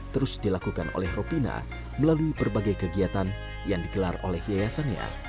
terus dilakukan oleh ropina melalui berbagai kegiatan yang digelar oleh yayasannya